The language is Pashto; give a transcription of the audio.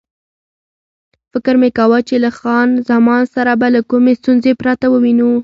فکر مې کاوه چې له خان زمان سره به له کومې ستونزې پرته ووینو.